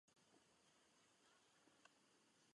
Správním městem okresu je Star City.